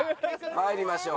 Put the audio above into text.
参りましょう。